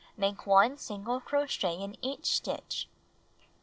Make 1 single crochet in each stitch.